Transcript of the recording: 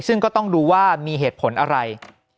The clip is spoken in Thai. ซึ่งก็ต้องดูว่ามีเหตุผลอะไร